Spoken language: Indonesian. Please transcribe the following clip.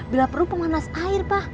bila perlu penganas air pa